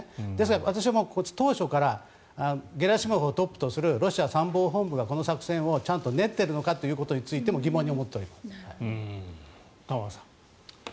私は当初からゲラシモフをトップとするロシア参謀本部がこの作戦をちゃんと練っているのかということについても玉川さん。